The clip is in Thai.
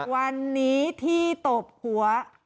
วันนี้ที่ตบหัว